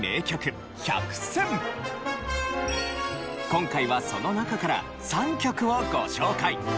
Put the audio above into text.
今回はその中から３曲をご紹介。